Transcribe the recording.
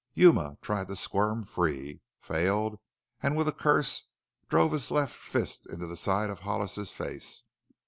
Yuma tried to squirm free, failed, and with a curse drove his left fist into the side of Hollis's face.